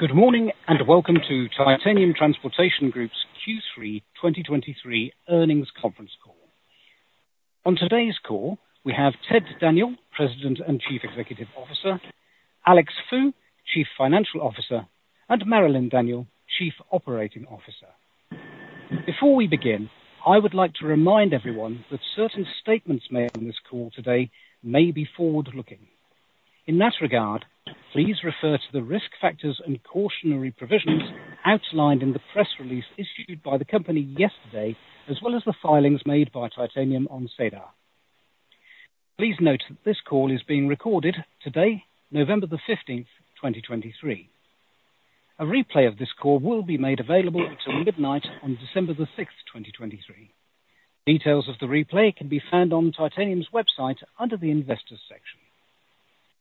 Good morning, and welcome to Titanium Transportation Group's Q3 2023 earnings conference call. On today's call, we have Ted Daniel, President and Chief Executive Officer, Alex Fu, Chief Financial Officer, and Marilyn Daniel, Chief Operating Officer. Before we begin, I would like to remind everyone that certain statements made on this call today may be forward-looking. In that regard, please refer to the risk factors and cautionary provisions outlined in the press release issued by the company yesterday, as well as the filings made by Titanium on SEDAR. Please note that this call is being recorded today, November 15th, 2023. A replay of this call will be made available until midnight on December 6th, 2023. Details of the replay can be found on Titanium's website under the Investors section.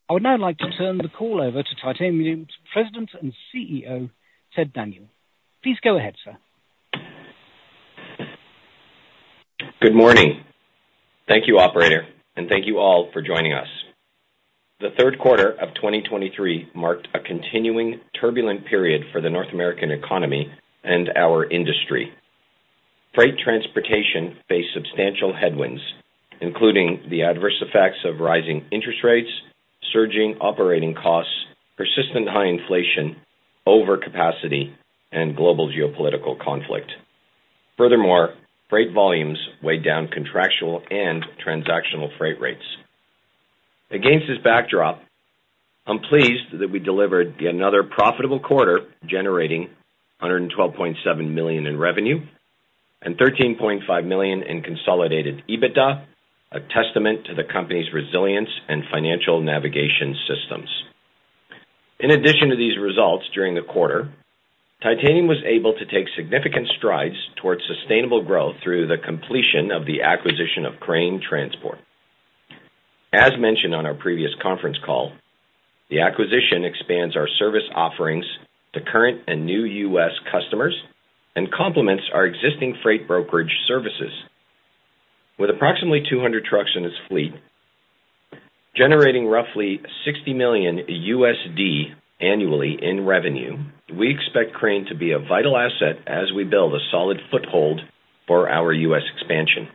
I would now like to turn the call over to Titanium's President and CEO, Ted Daniel. Please go ahead, sir. Good morning. Thank you, operator, and thank you all for joining us. The third quarter of 2023 marked a continuing turbulent period for the North American economy and our industry. Freight transportation faced substantial headwinds, including the adverse effects of rising interest rates, surging operating costs, persistent high inflation, overcapacity, and global geopolitical conflict. Furthermore, freight volumes weighed down contractual and transactional freight rates. Against this backdrop, I'm pleased that we delivered another profitable quarter, generating 112.7 million in revenue and 13.5 million in consolidated EBITDA, a testament to the company's resilience and financial navigation systems. In addition to these results, during the quarter, Titanium was able to take significant strides towards sustainable growth through the completion of the acquisition of Crane Transport. As mentioned on our previous conference call, the acquisition expands our service offerings to current and new U.S. customers and complements our existing freight brokerage services. With approximately 200 trucks in its fleet, generating roughly $60 million annually in revenue, we expect Crane to be a vital asset as we build a solid foothold for our U.S. expansion.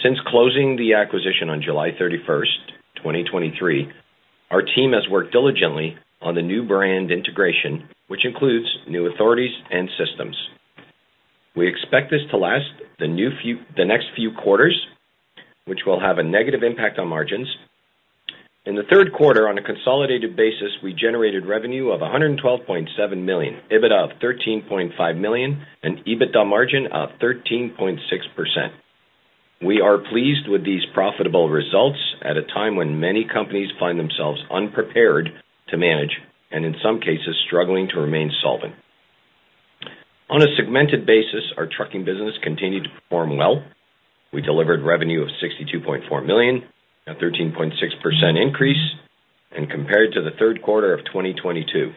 Since closing the acquisition on July 31, 2023, our team has worked diligently on the new brand integration, which includes new authorities and systems. We expect this to last the next few quarters, which will have a negative impact on margins. In the third quarter, on a consolidated basis, we generated revenue of 112.7 million, EBITDA of 13.5 million, and EBITDA margin of 13.6%. We are pleased with these profitable results at a time when many companies find themselves unprepared to manage and in some cases struggling to remain solvent. On a segmented basis, our trucking business continued to perform well. We delivered revenue of 62.4 million, a 13.6% increase, and compared to the third quarter of 2022.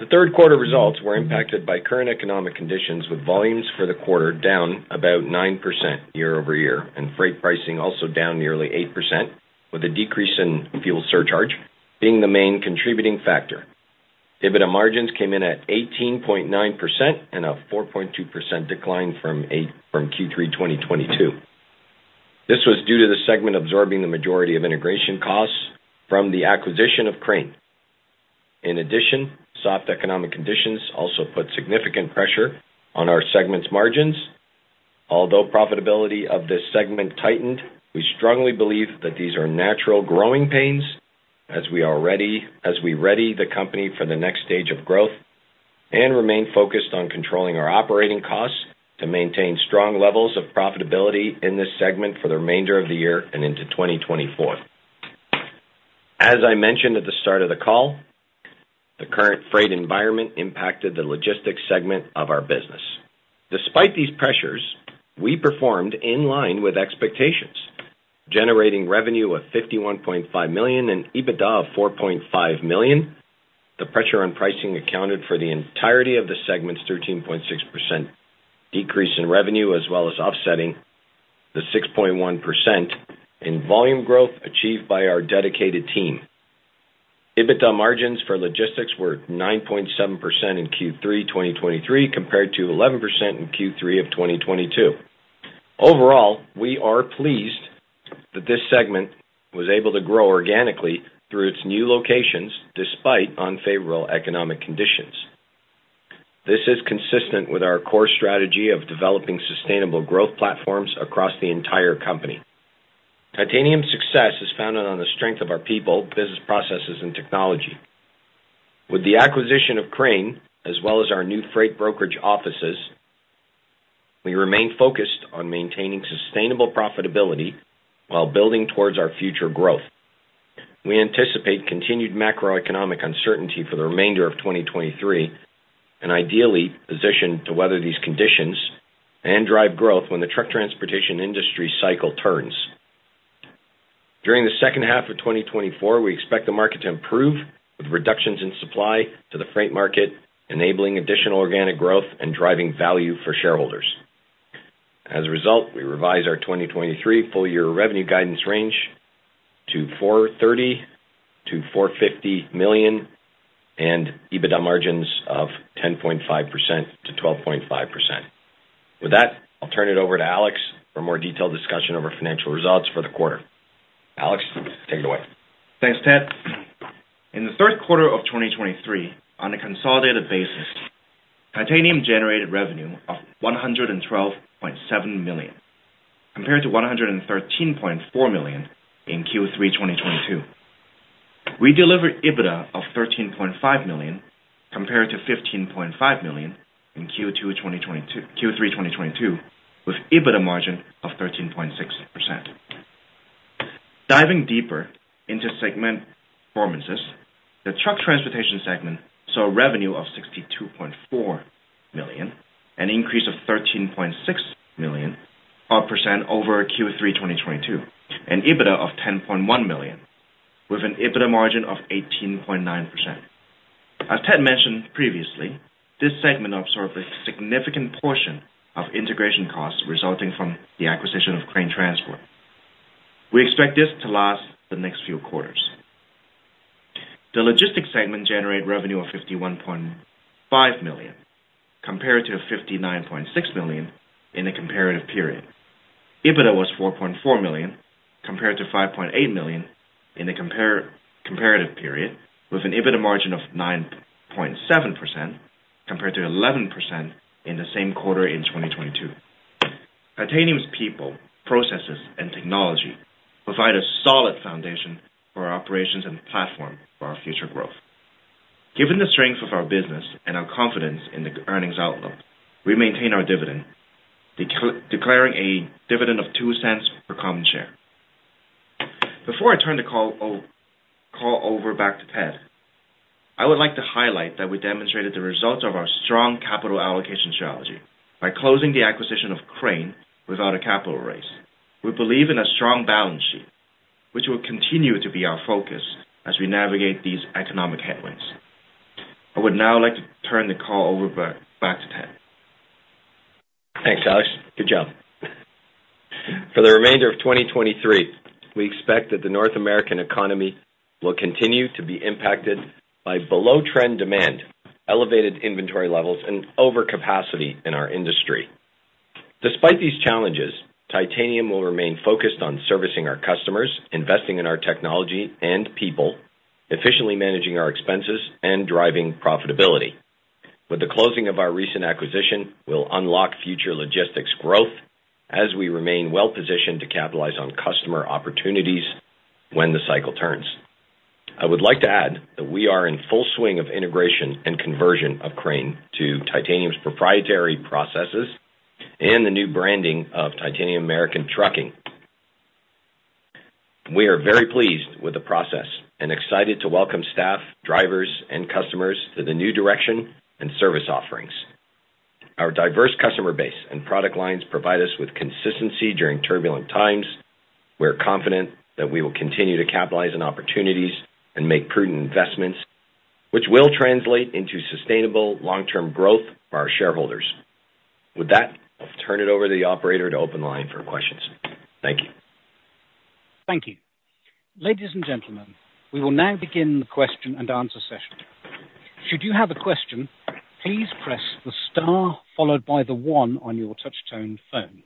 The third quarter results were impacted by current economic conditions, with volumes for the quarter down about 9% year-over-year, and freight pricing also down nearly 8%, with a decrease in fuel surcharge being the main contributing factor. EBITDA margins came in at 18.9% and a 4.2% decline from from Q3 2022. This was due to the segment absorbing the majority of integration costs from the acquisition of Crane. In addition, soft economic conditions also put significant pressure on our segment's margins. Although profitability of this segment tightened, we strongly believe that these are natural growing pains as we ready the company for the next stage of growth and remain focused on controlling our operating costs to maintain strong levels of profitability in this segment for the remainder of the year and into 2024. As I mentioned at the start of the call, the current freight environment impacted the logistics segment of our business. Despite these pressures, we performed in line with expectations, generating revenue of 51.5 million and EBITDA of 4.5 million. The pressure on pricing accounted for the entirety of the segment's 13.6% decrease in revenue, as well as offsetting the 6.1% in volume growth achieved by our dedicated team. EBITDA margins for logistics were 9.7% in Q3 2023, compared to 11% in Q3 of 2022. Overall, we are pleased that this segment was able to grow organically through its new locations, despite unfavorable economic conditions. This is consistent with our core strategy of developing sustainable growth platforms across the entire company. Titanium's success is founded on the strength of our people, business processes, and technology. With the acquisition of Crane, as well as our new freight brokerage offices, we remain focused on maintaining sustainable profitability while building towards our future growth. We anticipate continued macroeconomic uncertainty for the remainder of 2023 and ideally positioned to weather these conditions and drive growth when the truck transportation industry cycle turns. During the second half of 2024, we expect the market to improve, with reductions in supply to the freight market, enabling additional organic growth and driving value for shareholders. As a result, we revised our 2023 full year revenue guidance range to 430 million-450 million and EBITDA margins of 10.5%-12.5%. With that, I'll turn it over to Alex for more detailed discussion of our financial results for the quarter. Alex, take it away. Thanks, Ted. In the third quarter of 2023, on a consolidated basis, Titanium generated revenue of 112.7 million, compared to 113.4 million in Q3 2022. We delivered EBITDA of 13.5 million, compared to 15.5 million in Q3 2022, with EBITDA margin of 13.6%. Diving deeper into segment performances, the truck transportation segment saw revenue of 62.4 million, an increase of 13.6 million, or percent over Q3 2022, and EBITDA of 10.1 million, with an EBITDA margin of 18.9%. As Ted mentioned previously, this segment absorbed a significant portion of integration costs resulting from the acquisition of Crane Transport. We expect this to last the next few quarters. The logistics segment generated revenue of 51.5 million, compared to 59.6 million in the comparative period. EBITDA was 4.4 million, compared to 5.8 million in the comparative period, with an EBITDA margin of 9.7%, compared to 11% in the same quarter in 2022. Titanium's people, processes, and technology provide a solid foundation for our operations and platform for our future growth. Given the strength of our business and our confidence in the earnings outlook, we maintain our dividend, declaring a dividend of 0.02 per common share. Before I turn the call over back to Ted, I would like to highlight that we demonstrated the results of our strong capital allocation strategy by closing the acquisition of Crane without a capital raise. We believe in a strong balance sheet, which will continue to be our focus as we navigate these economic headwinds. I would now like to turn the call over back to Ted. Thanks, Alex. Good job. For the remainder of 2023, we expect that the North American economy will continue to be impacted by below trend demand, elevated inventory levels, and overcapacity in our industry. Despite these challenges, Titanium will remain focused on servicing our customers, investing in our technology and people, efficiently managing our expenses, and driving profitability. With the closing of our recent acquisition, we'll unlock future logistics growth as we remain well positioned to capitalize on customer opportunities when the cycle turns. I would like to add that we are in full swing of integration and conversion of Crane to Titanium's proprietary processes and the new branding of Titanium American Trucking. We are very pleased with the process and excited to welcome staff, drivers, and customers to the new direction and service offerings. Our diverse customer base and product lines provide us with consistency during turbulent times. We're confident that we will continue to capitalize on opportunities and make prudent investments, which will translate into sustainable long-term growth for our shareholders. With that, I'll turn it over to the operator to open the line for questions. Thank you. Thank you. Ladies and gentlemen, we will now begin the question-and-answer session. Should you have a question, please press the star followed by the one on your touch tone phone.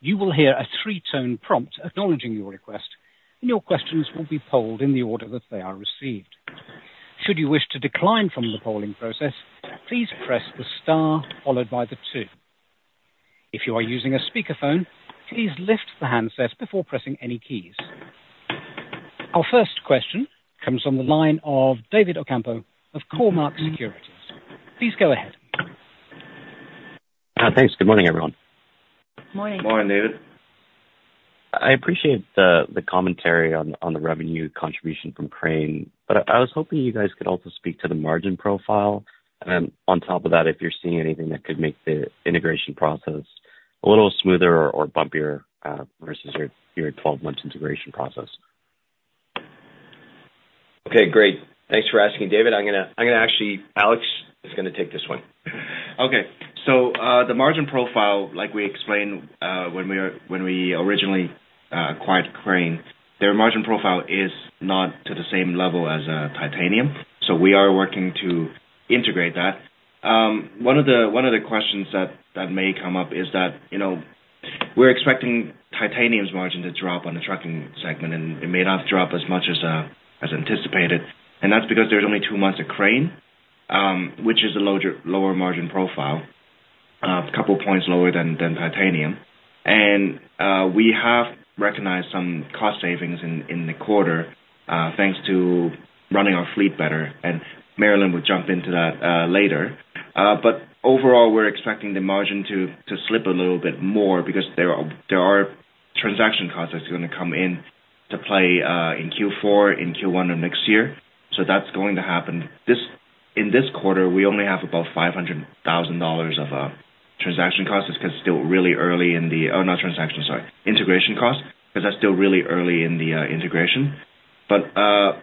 You will hear a three-tone prompt acknowledging your request, and your questions will be polled in the order that they are received. Should you wish to decline from the polling process, please press the star followed by the two. If you are using a speakerphone, please lift the handset before pressing any keys. Our first question comes on the line of David Ocampo of Cormark Securities. Please go ahead. Thanks. Good morning, everyone. Morning. Morning, David. I appreciate the commentary on the revenue contribution from Crane, but I was hoping you guys could also speak to the margin profile. And then on top of that, if you're seeing anything that could make the integration process a little smoother or bumpier, versus your 12-month integration process. Okay, great. Thanks for asking, David. I'm gonna, I'm gonna actually-- Alex is gonna take this one. Okay. So, the margin profile, like we explained, when we originally acquired Crane, their margin profile is not to the same level as Titanium, so we are working to integrate that. One of the questions that may come up is that, you know, we're expecting Titanium's margin to drop on the trucking segment, and it may not drop as much as anticipated. That's because there's only two months of Crane, which is a lower margin profile, a couple points lower than Titanium. We have recognized some cost savings in the quarter, thanks to running our fleet better, and Marilyn will jump into that later. But overall, we're expecting the margin to slip a little bit more because there are transaction costs that's going to come into play in Q4, in Q1 of next year. So that's going to happen. This—in this quarter, we only have about 500,000 dollars of transaction costs. It's still really early in the... Oh, not transaction, sorry, integration costs, because that's still really early in the integration.... But,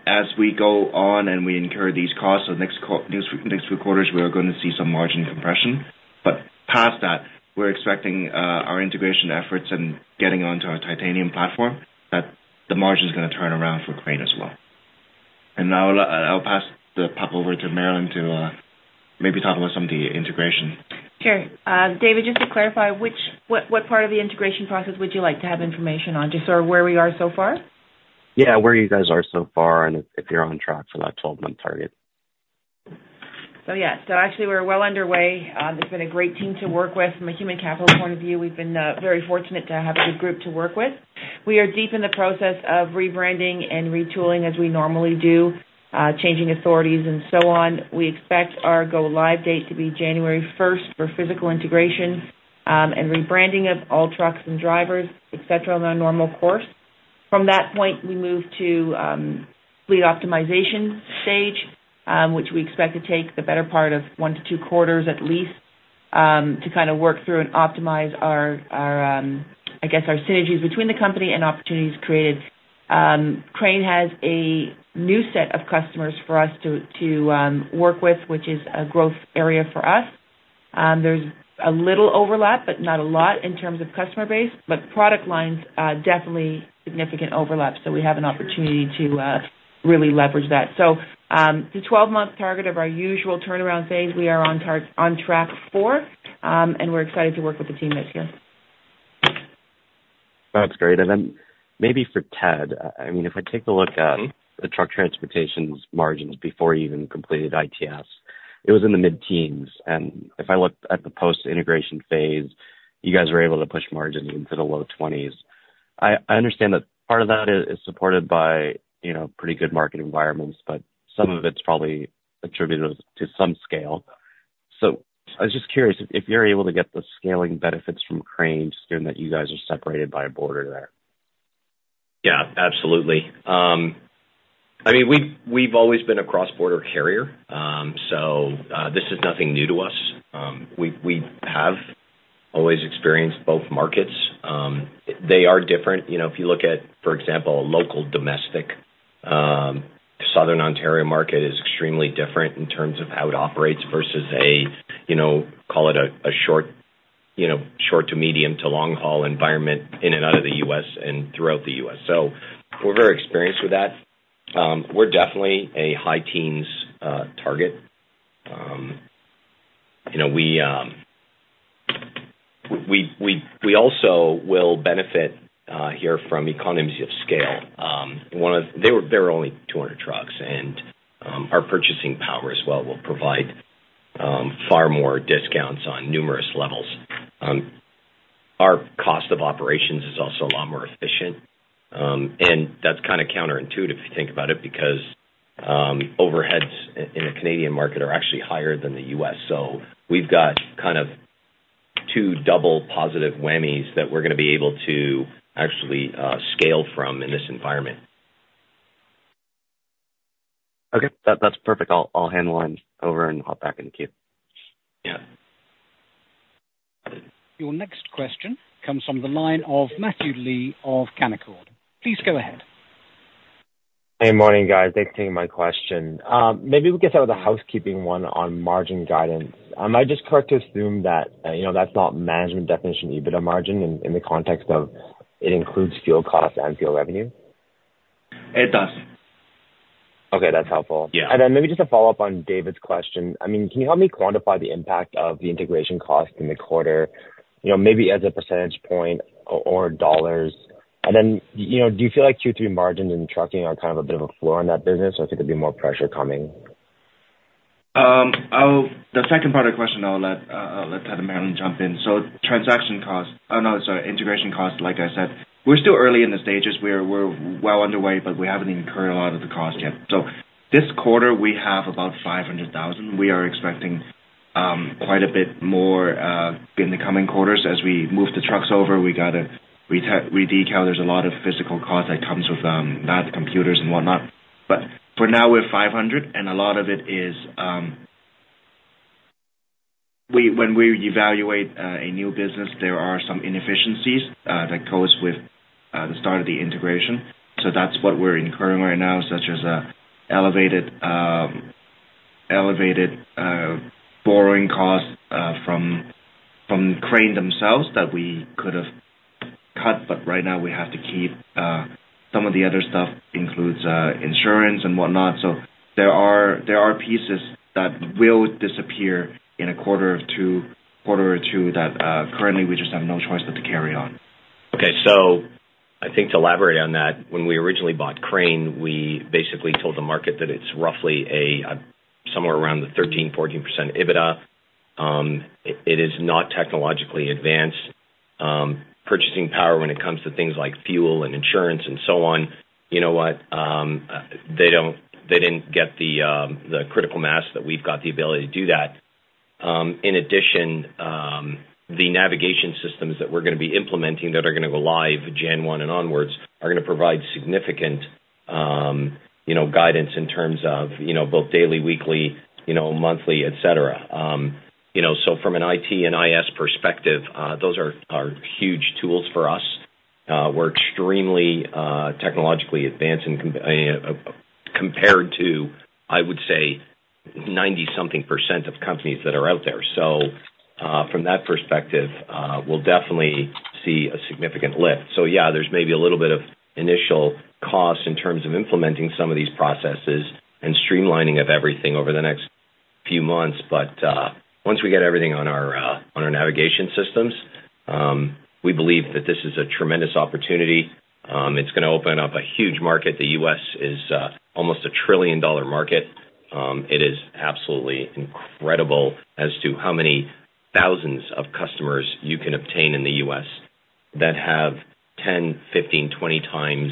as we go on and we incur these costs of next few quarters, we are gonna see some margin compression. But past that, we're expecting our integration efforts and getting onto our Titanium platform, that the margin's gonna turn around for Crane as well. And now I'll pass the puck over to Marilyn to maybe talk about some of the integration. Sure. David, just to clarify, what part of the integration process would you like to have information on? Just sort of where we are so far? Yeah, where you guys are so far, and if, if you're on track for that 12-month target? So yeah, so actually we're well underway. It's been a great team to work with. From a human capital point of view, we've been very fortunate to have a good group to work with. We are deep in the process of rebranding and retooling as we normally do, changing authorities and so on. We expect our go live date to be January first for physical integration, and rebranding of all trucks and drivers, et cetera, on our normal course. From that point, we move to fleet optimization stage, which we expect to take the better part of one to two quarters at least, to kind of work through and optimize our, our, I guess, our synergies between the company and opportunities created. Crane has a new set of customers for us to work with, which is a growth area for us. There's a little overlap, but not a lot in terms of customer base. But product lines, definitely significant overlap, so we have an opportunity to really leverage that. So, the 12-month target of our usual turnaround phase, we are on track for, and we're excited to work with the team out here. That's great. And then maybe for Ted, I, I mean, if I take a look at- Mm-hmm. The truck transportation's margins before you even completed ITS, it was in the mid-teens. And if I look at the post-integration phase, you guys were able to push margins into the low twenties. I understand that part of that is supported by, you know, pretty good market environments, but some of it's probably attributed to some scale. So I was just curious if you're able to get the scaling benefits from Crane, just given that you guys are separated by a border there. Yeah, absolutely. I mean, we've always been a cross-border carrier, so this is nothing new to us. We've always experienced both markets. They are different. You know, if you look at, for example, a local, domestic Southern Ontario market is extremely different in terms of how it operates versus a, you know, call it a short to medium to long-haul environment in and out of the U.S. and throughout the U.S. So we're very experienced with that. We're definitely a high teens target. You know, we also will benefit here from economies of scale. There were only 200 trucks, and our purchasing power as well will provide far more discounts on numerous levels. Our cost of operations is also a lot more efficient, and that's kind of counterintuitive if you think about it, because overheads in the Canadian market are actually higher than the U.S. So we've got kind of two double positive whammies that we're gonna be able to actually scale from in this environment. Okay. That's perfect. I'll hand the line over and hop back in the queue. Yeah. Your next question comes from the line of Matthew Lee of Canaccord. Please go ahead. Hey, morning, guys. Thanks for taking my question. Maybe we'll get started with a housekeeping one on margin guidance. Am I just correct to assume that, you know, that's not management definition, EBITDA margin in, in the context of it includes fuel costs and fuel revenue? It does. Okay, that's helpful. Yeah. And then maybe just a follow-up on David's question. I mean, can you help me quantify the impact of the integration costs in the quarter, you know, maybe as a percentage point or, or dollars? And then, you know, do you feel like Q3 margins in trucking are kind of a bit of a floor on that business, or if there could be more pressure coming? I'll-- the second part of the question, I'll let, I'll let kind of Marilyn jump in. So transaction costs, no, sorry, integration costs, like I said, we're still early in the stages. We're well underway, but we haven't incurred a lot of the costs yet. So this quarter, we have about 500,000. We are expecting quite a bit more in the coming quarters. As we move the trucks over, we gotta reta- redetail. There's a lot of physical cost that comes with that, computers and whatnot. But for now, we're 500,000, and a lot of it is, when we evaluate a new business, there are some inefficiencies that goes with the start of the integration. So that's what we're incurring right now, such as elevated borrowing costs from Crane themselves that we could have cut, but right now we have to keep. Some of the other stuff includes insurance and whatnot. So there are pieces that will disappear in a quarter or two that currently we just have no choice but to carry on. Okay. So I think to elaborate on that, when we originally bought Crane, we basically told the market that it's roughly a somewhere around the 13%-14% EBITDA. It is not technologically advanced purchasing power when it comes to things like fuel and insurance and so on. You know what? They don't, they didn't get the critical mass that we've got the ability to do that. In addition, the navigation systems that we're gonna be implementing, that are gonna go live January 1 and onwards, are gonna provide significant, you know, guidance in terms of, you know, both daily, weekly, you know, monthly, et cetera. You know, so from an IT and IS perspective, those are huge tools for us. We're extremely technologically advanced and compared to, I would say, 90-something% of companies that are out there. So, from that perspective, we'll definitely see a significant lift. So yeah, there's maybe a little bit of initial cost in terms of implementing some of these processes and streamlining of everything over the next few months, but, once we get everything on our navigation systems, we believe that this is a tremendous opportunity. It's gonna open up a huge market. The U.S. is almost a $1 trillion market. It is absolutely incredible as to how many thousands of customers you can obtain in the U.S. that have 10, 15, 20 times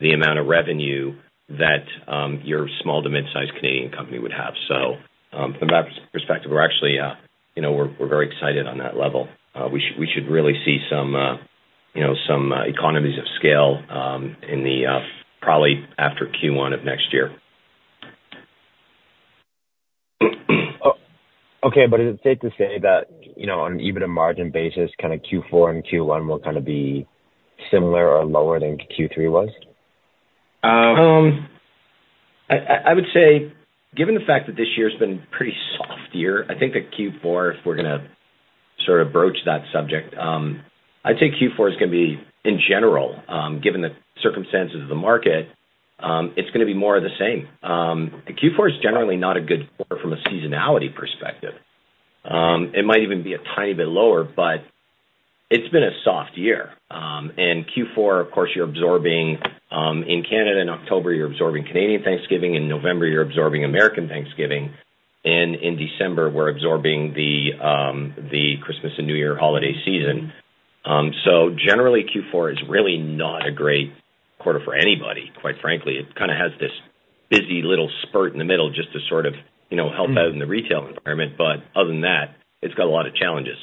the amount of revenue that your small to mid-sized Canadian company would have. So, from that perspective, we're actually, you know, we're, we're very excited on that level. We should really see some, you know, some economies of scale, in the probably after Q1 of next year. Oh, okay. But is it safe to say that, you know, on an EBITDA margin basis, kind of Q4 and Q1 will kind of be similar or lower than Q3 was? I would say, given the fact that this year's been pretty soft year, I think that Q4, if we're gonna sort of broach that subject, I'd say Q4 is gonna be, in general, given the circumstances of the market, it's gonna be more of the same. Q4 is generally not a good quarter from a seasonality perspective. It might even be a tiny bit lower, but it's been a soft year. And Q4, of course, you're absorbing, in Canada, in October, you're absorbing Canadian Thanksgiving, in November, you're absorbing American Thanksgiving, and in December, we're absorbing the, the Christmas and New Year holiday season. So generally, Q4 is really not a great quarter for anybody, quite frankly. It kind of has this busy little spurt in the middle just to sort of, you know, help out in the retail environment. But other than that, it's got a lot of challenges.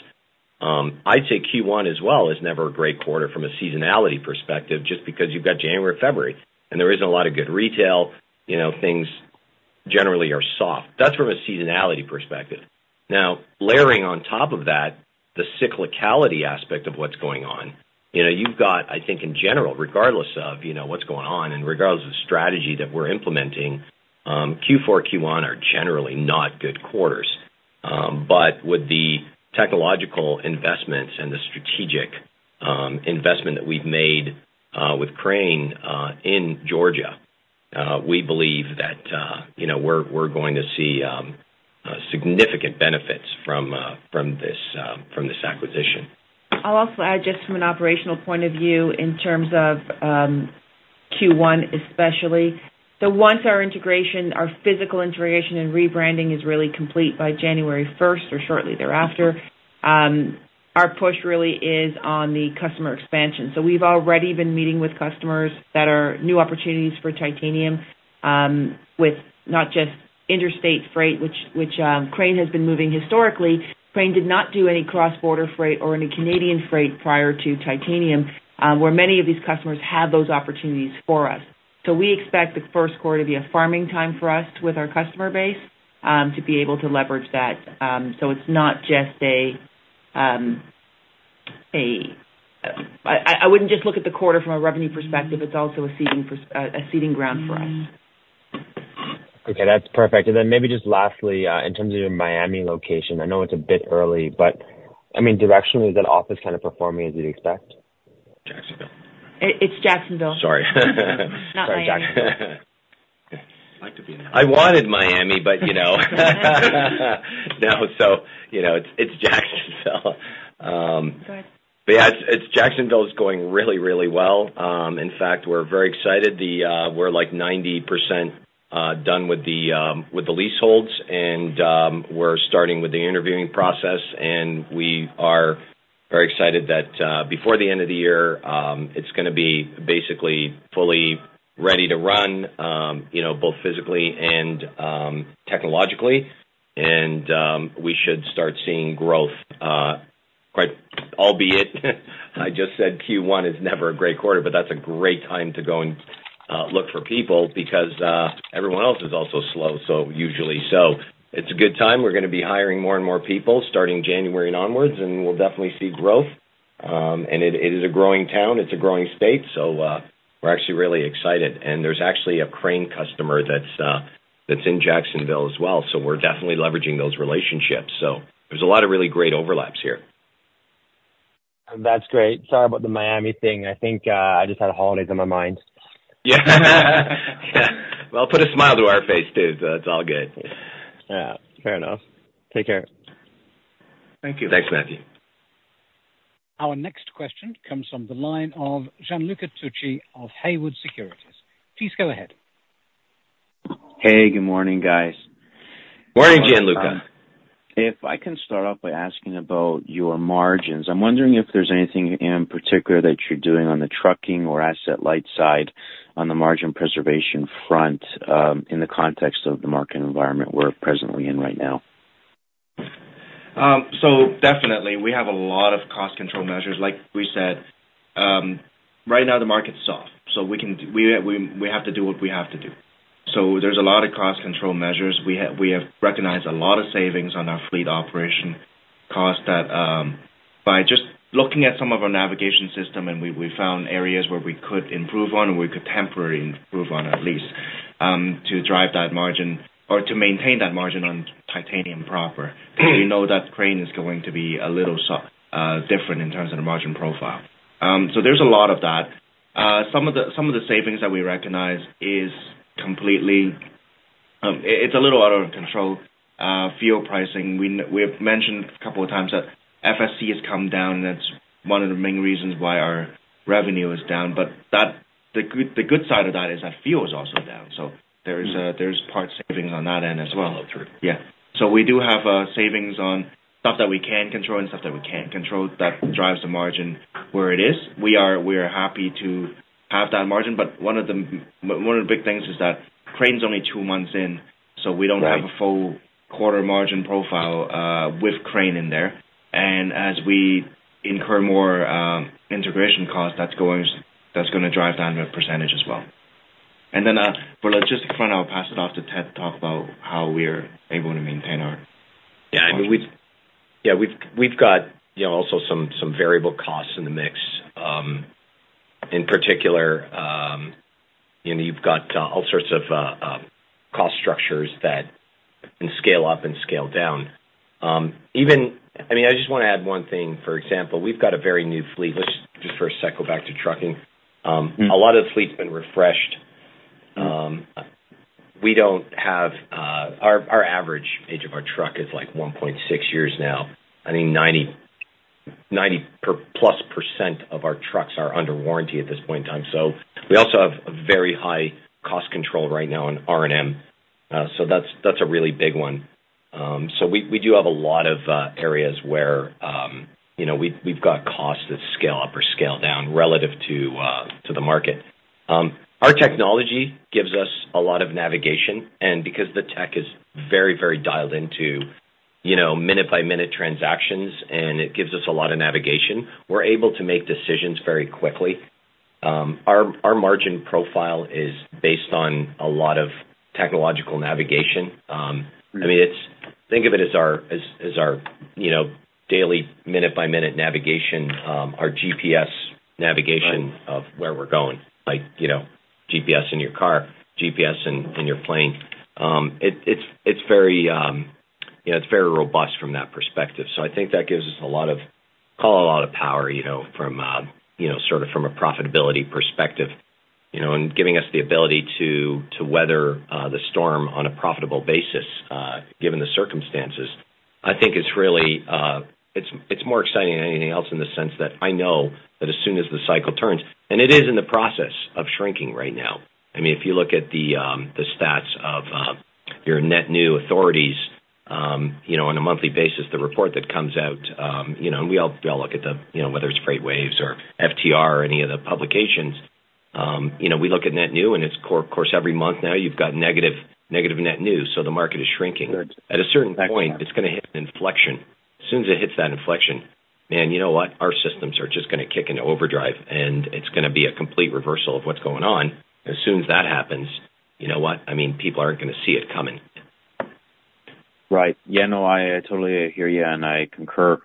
I'd say Q1 as well, is never a great quarter from a seasonality perspective, just because you've got January, February, and there isn't a lot of good retail. You know, things generally are soft. That's from a seasonality perspective. Now, layering on top of that, the cyclicality aspect of what's going on, you know, you've got, I think, in general, regardless of, you know, what's going on, and regardless of strategy that we're implementing, Q4, Q1 are generally not good quarters. But with the technological investments and the strategic investment that we've made with Crane in Georgia, we believe that, you know, we're going to see significant benefits from this acquisition. I'll also add, just from an operational point of view, in terms of, Q1, especially. So once our integration, our physical integration and rebranding is really complete by January first or shortly thereafter, our push really is on the customer expansion. So we've already been meeting with customers that are new opportunities for Titanium, with not just interstate freight, which Crane has been moving historically. Crane did not do any cross-border freight or any Canadian freight prior to Titanium, where many of these customers have those opportunities for us. So we expect the first quarter to be a farming time for us with our customer base, to be able to leverage that. So it's not just, I wouldn't just look at the quarter from a revenue perspective. It's also a seeding ground for us. Okay, that's perfect. And then maybe just lastly, in terms of your Miami location, I know it's a bit early, but I mean, directionally, is that office kind of performing as you'd expect? Jacksonville. It's Jacksonville. Sorry. Not Miami. Sorry, Jackson. I'd like to be in Miami. I wanted Miami, but, you know. No, so you know, it's Jacksonville. Go ahead. But yeah, it's Jacksonville is going really, really well. In fact, we're very excited. We're like 90% done with the leaseholds, and we're starting with the interviewing process, and we are very excited that before the end of the year, it's gonna be basically fully ready to run, you know, both physically and technologically. And we should start seeing growth quite albeit. I just said Q1 is never a great quarter, but that's a great time to go and look for people because everyone else is also slow, so usually. So it's a good time. We're gonna be hiring more and more people starting January and onwards, and we'll definitely see growth. And it is a growing town. It's a growing state. So we're actually really excited. There's actually a Crane customer that's in Jacksonville as well, so we're definitely leveraging those relationships. There's a lot of really great overlaps here. That's great. Sorry about the Miami thing. I think, I just had the holidays on my mind. Yeah. Well, it put a smile to our face, too, so it's all good. Yeah, fair enough. Take care. Thank you. Thanks, Matthew. Our next question comes from the line of Gianluca Tucci of Haywood Securities. Please go ahead. Hey, good morning, guys. Morning, Gianluca. If I can start off by asking about your margins. I'm wondering if there's anything in particular that you're doing on the trucking or asset light side on the margin preservation front, in the context of the market environment we're presently in right now?... So definitely we have a lot of cost control measures. Like we said, right now the market's soft, so we can have to do what we have to do. So there's a lot of cost control measures. We have recognized a lot of savings on our fleet operation costs that by just looking at some of our navigation system, and we found areas where we could improve on, and we could temporarily improve on at least to drive that margin or to maintain that margin on Titanium proper. We know that Crane is going to be a little soft, different in terms of the margin profile. So there's a lot of that. Some of the savings that we recognize is completely, it's a little out of control. Fuel pricing, we have mentioned a couple of times that FSC has come down, and that's one of the main reasons why our revenue is down. But the good side of that is that fuel is also down. So there's part savings on that end as well. True. Yeah. So we do have savings on stuff that we can control and stuff that we can't control that drives the margin where it is. We are happy to have that margin, but one of the big things is that Crane's only two months in, so we don't- Right... have a full quarter margin profile with Crane in there. And as we incur more integration costs, that's going, that's gonna drive down the percentage as well. And then, but logistics front, I'll pass it off to Ted to talk about how we're able to maintain our- Yeah, I mean, yeah, we've got, you know, also some variable costs in the mix. In particular, you know, you've got all sorts of cost structures that can scale up and scale down. Even, I mean, I just wanna add one thing. For example, we've got a very new fleet. Let's just for a sec go back to trucking. Mm-hmm. A lot of the fleet's been refreshed. We don't have... Our average age of our truck is like 1.6 years now. I mean, 99% plus of our trucks are under warranty at this point in time. So we also have a very high cost control right now in R&M. So that's a really big one. So we do have a lot of areas where, you know, we've got costs that scale up or scale down relative to the market. Our technology gives us a lot of navigation, and because the tech is very, very dialed into, you know, minute-by-minute transactions, and it gives us a lot of navigation, we're able to make decisions very quickly. Our margin profile is based on a lot of technological navigation. I mean, think of it as our, as our, you know, daily minute-by-minute navigation, our GPS navigation- Right... of where we're going. Like, you know, GPS in your car, GPS in your plane. It's very, you know, it's very robust from that perspective. So I think that gives us a lot of, call it a lot of power, you know, from, you know, sort of from a profitability perspective, you know, and giving us the ability to weather the storm on a profitable basis, given the circumstances. I think it's really, it's more exciting than anything else in the sense that I know that as soon as the cycle turns, and it is in the process of shrinking right now. I mean, if you look at the stats of your net new authorities, you know, on a monthly basis, the report that comes out, you know, and we all- we all look at the, you know, whether it's FreightWaves or FTR or any of the publications. You know, we look at net new, and it's of course, every month now you've got negative, negative net new, so the market is shrinking. Good. At a certain point, it's gonna hit an inflection. As soon as it hits that inflection, and you know what? Our systems are just gonna kick into overdrive, and it's gonna be a complete reversal of what's going on. As soon as that happens, you know what? I mean, people aren't gonna see it coming. Right. Yeah, no, I totally hear you, and I concur.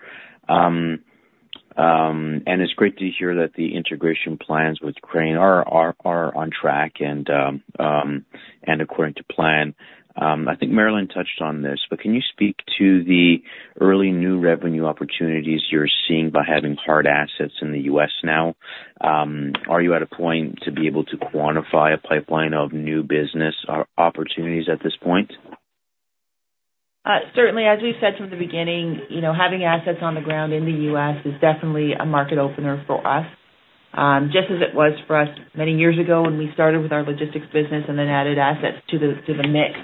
It's great to hear that the integration plans with Crane are on track and according to plan. I think Marilyn touched on this, but can you speak to the early new revenue opportunities you're seeing by having hard assets in the U.S. now? Are you at a point to be able to quantify a pipeline of new business or opportunities at this point? Certainly, as we've said from the beginning, you know, having assets on the ground in the U.S. is definitely a market opener for us, just as it was for us many years ago when we started with our logistics business and then added assets to the mix.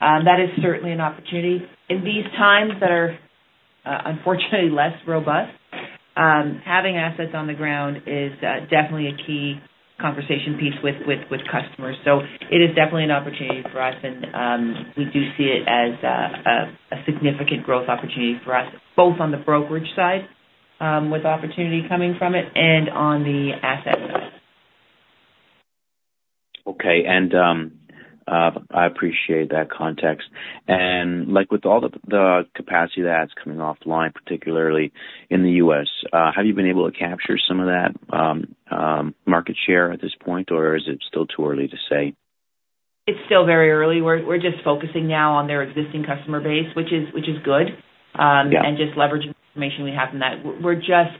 That is certainly an opportunity. In these times that are, unfortunately less robust, having assets on the ground is definitely a key conversation piece with customers. So it is definitely an opportunity for us, and we do see it as a significant growth opportunity for us, both on the brokerage side, with opportunity coming from it and on the asset side. Okay. I appreciate that context. Like with all the capacity that's coming offline, particularly in the U.S., have you been able to capture some of that market share at this point, or is it still too early to say? It's still very early. We're just focusing now on their existing customer base, which is good. Yeah... and just leveraging information we have in that. We're just,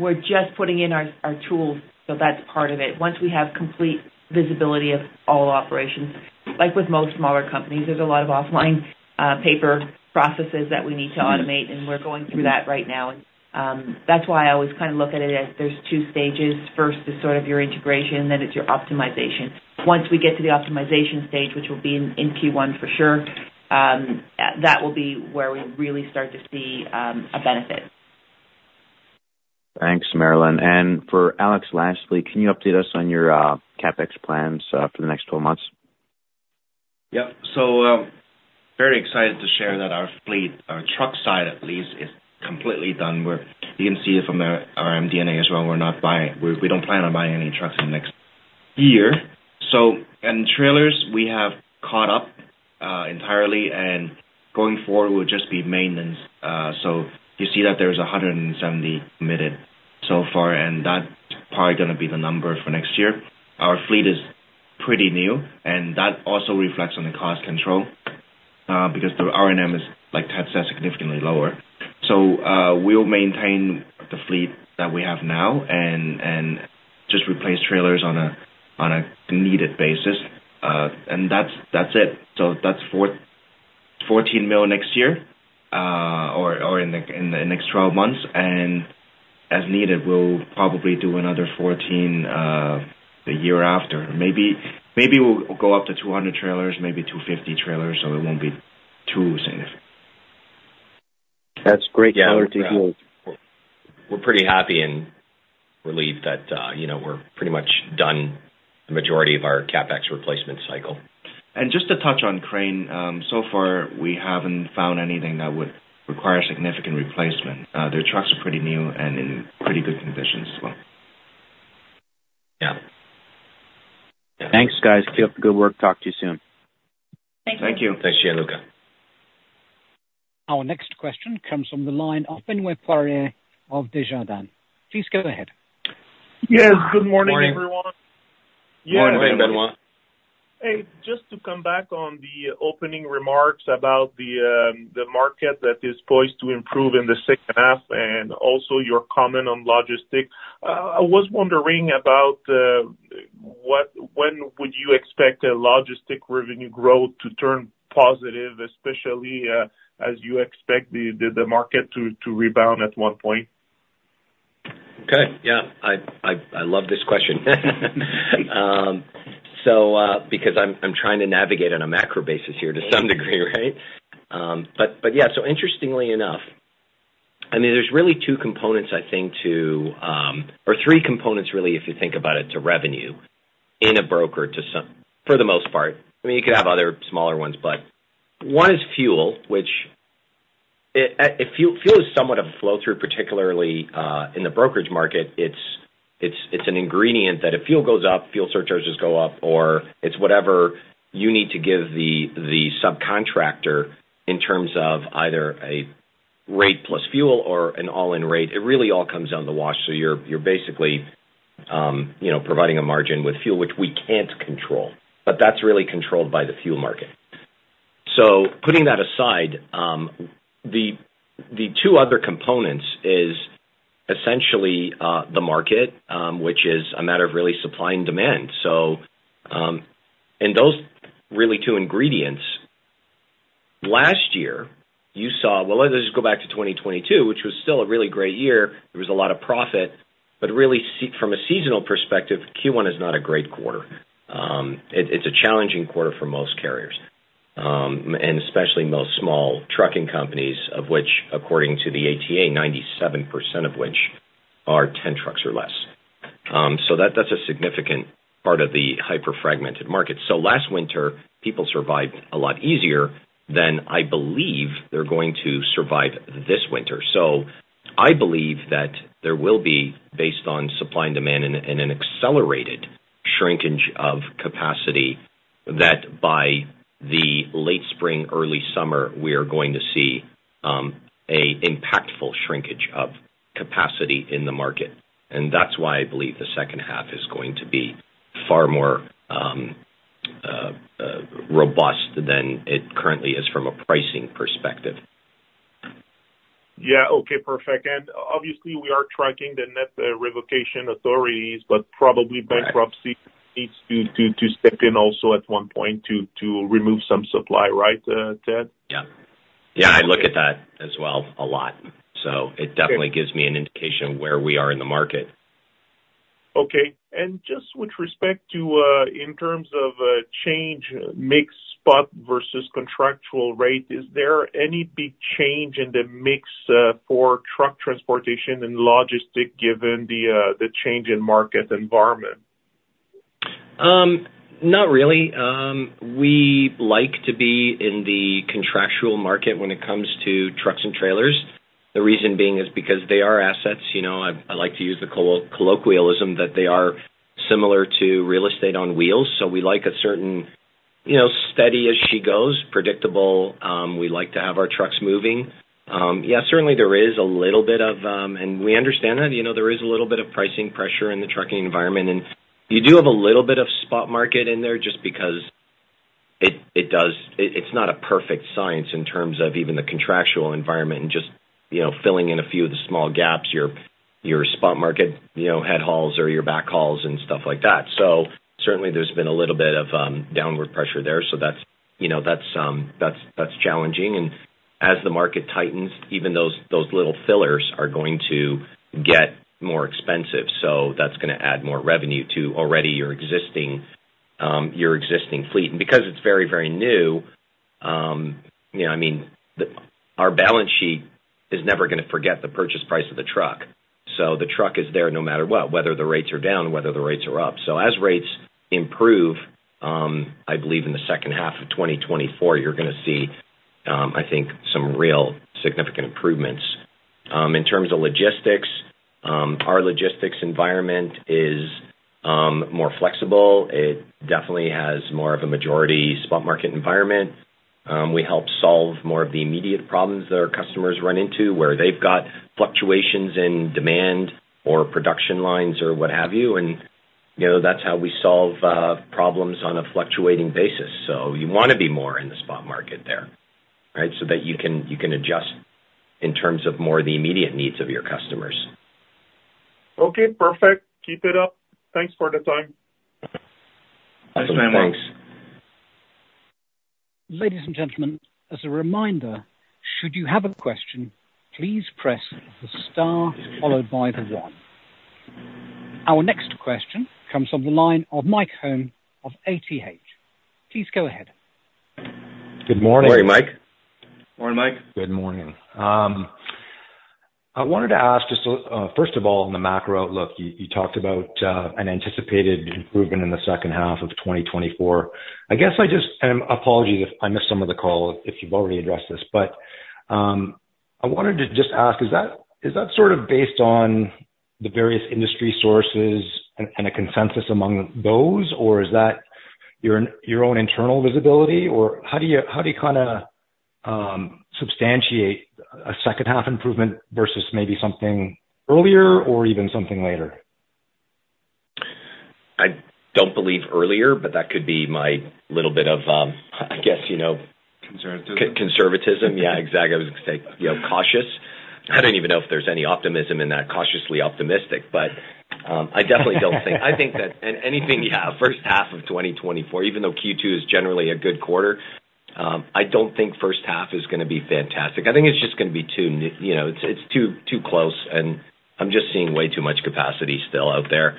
we're just putting in our, our tools, so that's part of it. Once we have complete visibility of all operations, like with most smaller companies, there's a lot of offline paper processes that we need to automate, and we're going through that right now. That's why I always kind of look at it as there's two stages. First is sort of your integration, then it's your optimization. Once we get to the optimization stage, which will be in Q1 for sure, that will be where we really start to see a benefit.... Thanks, Marilyn. For Alex, lastly, can you update us on your CapEx plans for the next 12 months? Yep. So, very excited to share that our fleet, our truck side at least, is completely done with. You can see it from our MD&A as well. We're not buying—we, we don't plan on buying any trucks in the next year. So, and trailers, we have caught up entirely, and going forward will just be maintenance. So you see that there's 170 committed so far, and that's probably gonna be the number for next year. Our fleet is pretty new, and that also reflects on the cost control because the R&M is, like Ted said, significantly lower. So, we'll maintain the fleet that we have now and just replace trailers on a needed basis. And that's it. So that's 14 million next year, or in the next 12 months, and as needed, we'll probably do another 14 million the year after. Maybe, maybe we'll go up to 200 trailers, maybe 250 trailers, so it won't be too significant. That's great clarity. Yeah. We're pretty happy and relieved that, you know, we're pretty much done the majority of our CapEx replacement cycle. Just to touch on Crane, so far, we haven't found anything that would require significant replacement. Their trucks are pretty new and in pretty good condition as well. Yeah. Thanks, guys. Keep up the good work. Talk to you soon. Thank you. Thanks, Gianluca. Our next question comes from the line of Benoit Poirier of Desjardins. Please go ahead. Yes. Good morning, everyone. Morning. Morning, Benoit. Hey, just to come back on the opening remarks about the market that is poised to improve in the second half, and also your comment on logistics. I was wondering about when would you expect logistics revenue growth to turn positive, especially as you expect the market to rebound at one point? Okay. Yeah, I love this question. So because I'm trying to navigate on a macro basis here to some degree, right? But yeah. So interestingly enough, I mean, there's really two components I think to or three components really if you think about it, to revenue in a broker, to some. For the most part. I mean, you could have other smaller ones, but one is fuel, which if fuel is somewhat of a flow-through, particularly in the brokerage market. It's an ingredient that if fuel goes up, fuel surcharges go up, or it's whatever you need to give the subcontractor in terms of either a rate plus fuel or an all-in rate. It really all comes down to wash. So you're, you're basically, you know, providing a margin with fuel, which we can't control. But that's really controlled by the fuel market. So putting that aside, the two other components is essentially the market, which is a matter of really supply and demand. So, and those really two ingredients, last year, you saw—Well, let's just go back to 2022, which was still a really great year. There was a lot of profit, but really from a seasonal perspective, Q1 is not a great quarter. It's a challenging quarter for most carriers, and especially most small trucking companies, of which, according to the ATA, 97% of which are 10 trucks or less. So that, that's a significant part of the hyper-fragmented market. So last winter, people survived a lot easier than I believe they're going to survive this winter. So I believe that there will be, based on supply and demand and an accelerated shrinkage of capacity, that by the late spring, early summer, we are going to see a impactful shrinkage of capacity in the market. And that's why I believe the second half is going to be far more robust than it currently is from a pricing perspective. Yeah. Okay, perfect. And obviously, we are tracking the net revocation authorities, but probably bankruptcy needs to step in also at one point to remove some supply, right, Ted? Yeah. Yeah, I look at that as well a lot, so it definitely gives me an indication of where we are in the market. Okay. Just with respect to, in terms of, change, mix, spot versus contractual rate, is there any big change in the mix, for truck transportation and logistics, given the change in market environment? Not really. We like to be in the contractual market when it comes to trucks and trailers. The reason being is because they are assets. You know, I, I like to use the colloquialism that they are similar to real estate on wheels, so we like a certain, you know, steady as she goes, predictable, we like to have our trucks moving. Yeah, certainly there is a little bit of, and we understand that, you know, there is a little bit of pricing pressure in the trucking environment, and you do have a little bit of spot market in there just because it, it does... It's not a perfect science in terms of even the contractual environment and just, you know, filling in a few of the small gaps, your spot market, you know, headhauls or your backhauls and stuff like that. So certainly there's been a little bit of downward pressure there. So that's, you know, that's challenging. And as the market tightens, even those little fillers are going to get more expensive, so that's gonna add more revenue to already your existing fleet. And because it's very, very new. You know, I mean, our balance sheet is never going to forget the purchase price of the truck. So the truck is there no matter what, whether the rates are down, whether the rates are up. So as rates improve, I believe in the second half of 2024, you're going to see, I think some real significant improvements. In terms of logistics, our logistics environment is more flexible. It definitely has more of a majority spot market environment. We help solve more of the immediate problems that our customers run into, where they've got fluctuations in demand or production lines or what have you, and, you know, that's how we solve problems on a fluctuating basis. So you want to be more in the spot market there, right? So that you can, you can adjust in terms of more of the immediate needs of your customers. Okay, perfect. Keep it up. Thanks for the time. Thanks. Ladies and gentlemen, as a reminder, should you have a question, please press the star followed by the one. Our next question comes from the line of Mike Hoeh of ATA. Please go ahead. Good morning. Good morning, Mike. Morning, Mike. Good morning. I wanted to ask just, first of all, on the macro outlook, you, you talked about, an anticipated improvement in the second half of 2024. I guess I just, and apologies if I missed some of the call, if you've already addressed this, but, I wanted to just ask, is that, is that sort of based on the various industry sources and, and a consensus among those? Or is that your, your own internal visibility? Or how do you, how do you kinda, substantiate a second-half improvement versus maybe something earlier or even something later? I don't believe earlier, but that could be my little bit of, I guess, you know- Conservatism. Conservatism. Yeah, exactly. I was going to say, you know, cautious. I don't even know if there's any optimism in that, cautiously optimistic, but, I definitely don't think- I think that anything, yeah, first half of 2024, even though Q2 is generally a good quarter, I don't think first half is going to be fantastic. I think it's just going to be too, you know, it's, it's too, too close, and I'm just seeing way too much capacity still out there.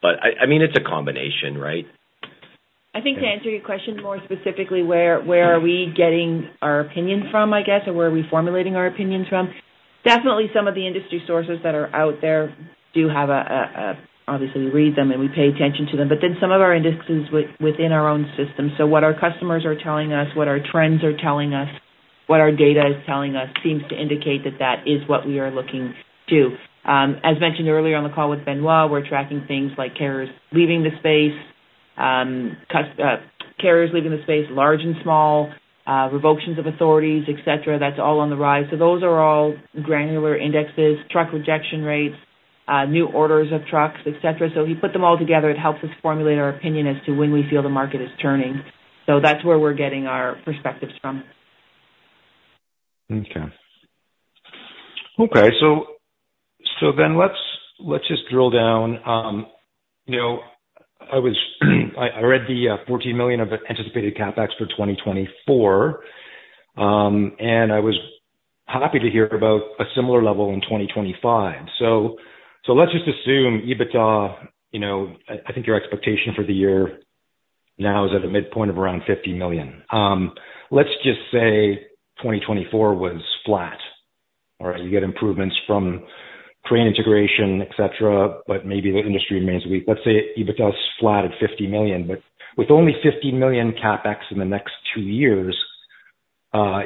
But I, I mean, it's a combination, right? I think to answer your question more specifically, where are we getting our opinions from, I guess, or where are we formulating our opinions from? Definitely some of the industry sources that are out there do have a... Obviously, we read them, and we pay attention to them, but then some of our indexes within our own system. So what our customers are telling us, what our trends are telling us, what our data is telling us, seems to indicate that that is what we are looking to. As mentioned earlier on the call with Benoit, we're tracking things like carriers leaving the space, carriers leaving the space, large and small, revocations of authorities, et cetera. That's all on the rise. So those are all granular indexes, truck rejection rates, new orders of trucks, et cetera. We put them all together. It helps us formulate our opinion as to when we feel the market is turning. That's where we're getting our perspectives from. Okay. Okay, so then let's just drill down. You know, I was happy to hear about a similar level in 2025. So let's just assume EBITDA. You know, I think your expectation for the year now is at a midpoint of around 50 million. Let's just say 2024 was flat, or you get improvements from Crane integration, etc., but maybe the industry remains weak. Let's say EBITDA is flat at 50 million, but with only 50 million CapEx in the next two years,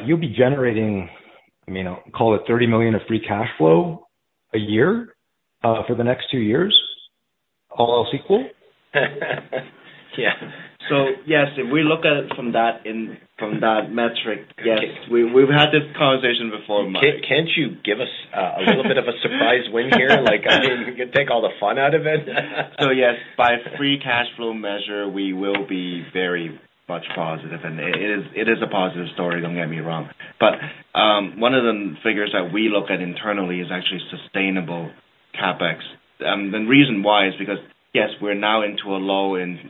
you'll be generating, I mean, call it 30 million of free cash flow a year for the next two years, all else equal? Yeah. So yes, if we look at it from that metric, yes. We've had this conversation before, Mike. Can't you give us a little bit of a surprise win here? Like, I mean, you can take all the fun out of it. So yes, by free cash flow measure, we will be very much positive, and it is, it is a positive story, don't get me wrong. But, one of the figures that we look at internally is actually sustainable CapEx. The reason why is because, yes, we're now into a low in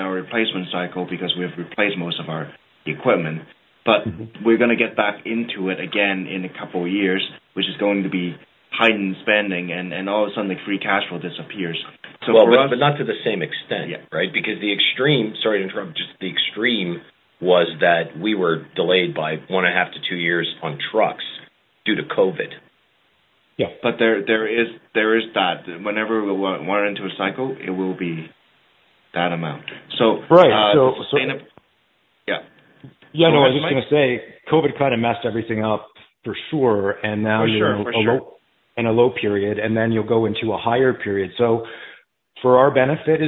our replacement cycle because we've replaced most of our equipment, but we're going to get back into it again in a couple of years, which is going to be heightened spending, and all of a sudden, the free cash flow disappears. So- Well, but not to the same extent. Yeah. Right? Because the extreme, sorry to interrupt, just the extreme was that we were delayed by 1.5-2 years on trucks due to COVID. Yeah, but there is that. Whenever we went into a cycle, it will be that amount. So- Right. Uh, yeah. Yeah, no, I was just going to say, COVID kind of messed everything up, for sure, and now- For sure. You're in a low period, and then you'll go into a higher period. So for our benefit...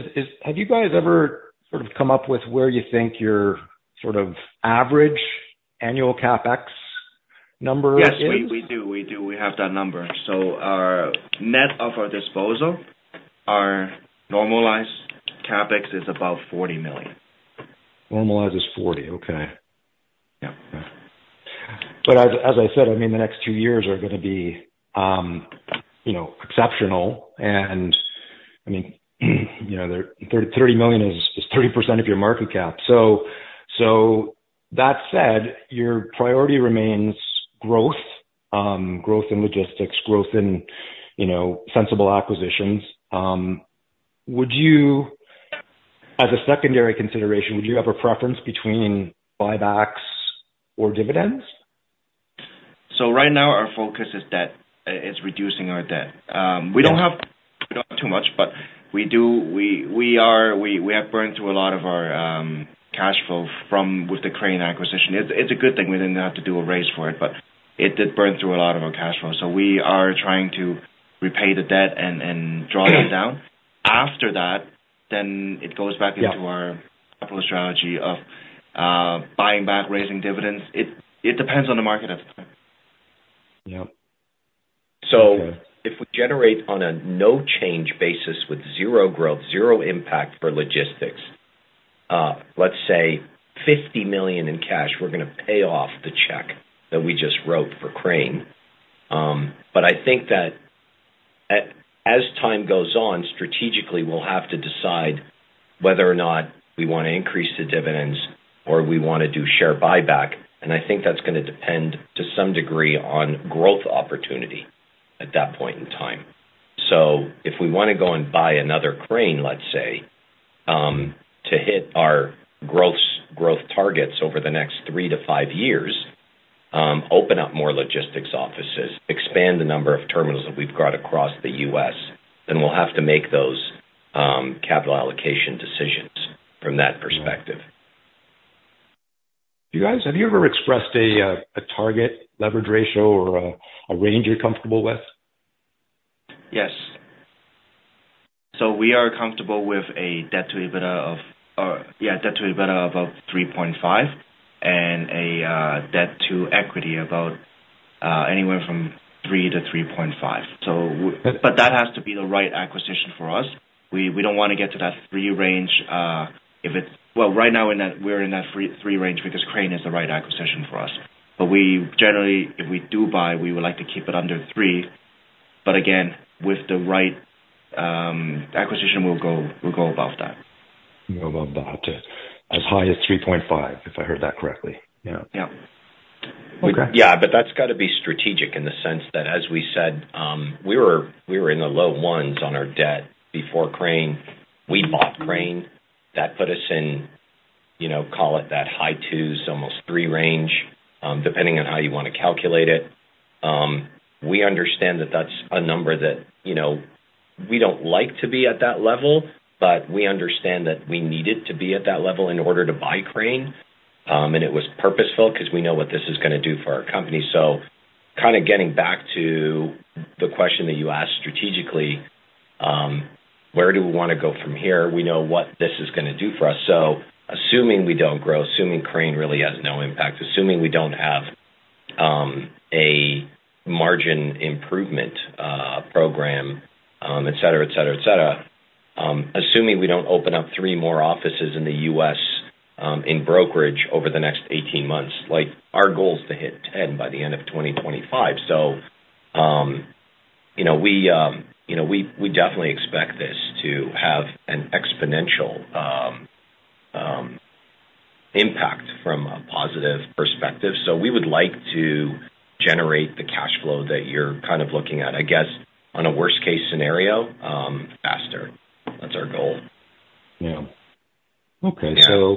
have you guys ever sort of come up with where you think your sort of average annual CapEx number is? Yes, we do. We do. We have that number. So our net of our disposal, our normalized CapEx is about 40 million. Normalized is 40. Okay. Yeah. But as I said, I mean, the next two years are going to be, you know, exceptional. And I mean, you know, CAD 30, 30 million is, is 30% of your market cap. So, so that said, your priority remains growth, growth in logistics, growth in, you know, sensible acquisitions... Would you, as a secondary consideration, would you have a preference between buybacks or dividends? So right now, our focus is debt, is reducing our debt. We don't have too much, but we do—we have burned through a lot of our cash flow from with the Crane acquisition. It's a good thing we didn't have to do a raise for it, but it did burn through a lot of our cash flow. So we are trying to repay the debt and draw it down. After that, then it goes back into our- Yeah. capital strategy of buying back, raising dividends. It depends on the market at the time. Yep. So if we generate on a no change basis with 0 growth, 0 impact for logistics, let's say 50 million in cash, we're gonna pay off the check that we just wrote for Crane. But I think that as time goes on, strategically, we'll have to decide whether or not we want to increase the dividends or we want to do share buyback. And I think that's gonna depend, to some degree, on growth opportunity at that point in time. So if we wanna go and buy another Crane, let's say, to hit our growth targets over the next three to five years, open up more logistics offices, expand the number of terminals that we've got across the U.S., then we'll have to make those, capital allocation decisions from that perspective. You guys, have you ever expressed a target leverage ratio or a range you're comfortable with? Yes. So we are comfortable with a debt to EBITDA of debt to EBITDA about 3.5 and a debt to equity about anywhere from 3-3.5. But that has to be the right acquisition for us. We, we don't wanna get to that three range if it's... Well, right now, in that, we're in that three range because Crane is the right acquisition for us. But we generally, if we do buy, we would like to keep it under 3, but again, with the right acquisition, we'll go, we'll go above that. Go above that, to as high as 3.5, if I heard that correctly? Yeah. Yeah. Yeah, but that's got to be strategic in the sense that, as we said, we were, we were in the low ones on our debt before Crane. We bought Crane, that put us in, you know, call it that high twos, almost three range, depending on how you want to calculate it. We understand that that's a number that, you know, we don't like to be at that level, but we understand that we needed to be at that level in order to buy Crane. And it was purposeful because we know what this is gonna do for our company. So kind of getting back to the question that you asked strategically, where do we wanna go from here? We know what this is gonna do for us. So assuming we don't grow, assuming Crane really has no impact, assuming we don't have a margin improvement program, et cetera, et cetera, et cetera. Assuming we don't open up three more offices in the U.S., in brokerage over the next 18 months, like, our goal is to hit 10 by the end of 2025. So, you know, we, you know, we, we definitely expect this to have an exponential impact from a positive perspective. So we would like to generate the cash flow that you're kind of looking at, I guess, on a worst case scenario, faster. That's our goal. Yeah. Okay. Yeah.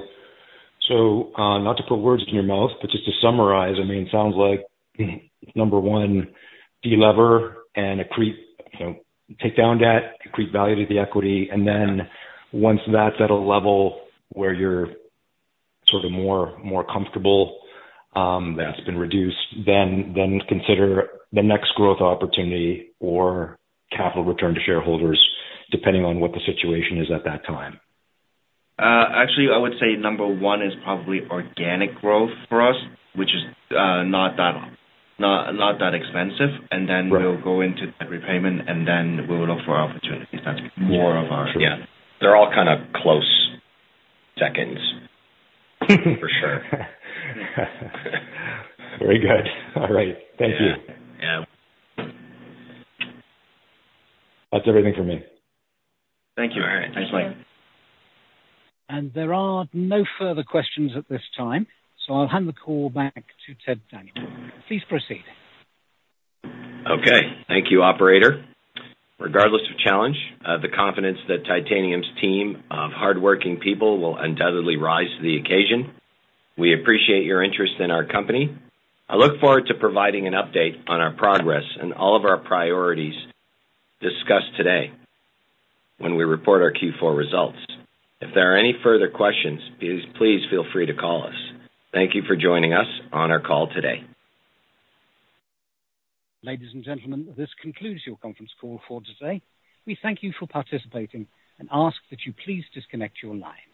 So, not to put words in your mouth, but just to summarize, I mean, it sounds like number one, delever and accrete, you know, take down debt, accrete value to the equity. And then once that's at a level where you're sort of more comfortable, that's been reduced, then consider the next growth opportunity or capital return to shareholders, depending on what the situation is at that time. Actually, I would say number one is probably organic growth for us, which is not that expensive. Right. Then we'll go into debt repayment, and then we will look for opportunities. That's more of our- Sure. They're all kind of close seconds. For sure. Very good. All right. Thank you. Yeah. Yeah. That's everything for me. Thank you. All right. Thanks, Mike. There are no further questions at this time, so I'll hand the call back to Ted Daniel. Please proceed. Okay. Thank you, operator. Regardless of challenge, the confidence that Titanium's team of hardworking people will undoubtedly rise to the occasion. We appreciate your interest in our company. I look forward to providing an update on our progress and all of our priorities discussed today when we report our Q4 results. If there are any further questions, please feel free to call us. Thank you for joining us on our call today. Ladies and gentlemen, this concludes your conference call for today. We thank you for participating and ask that you please disconnect your lines.